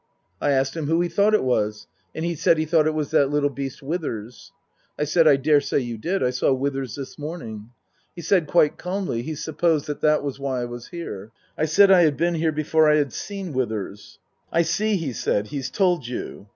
I asked him who he thought it was, and he said he thought it was that little beast Withers. I said, " I daresay you did. I saw Withers this morning." He said quite calmly he supposed that was why I was here. I said I had been here before I had seen Withers. " I see/' he said. " He's told you."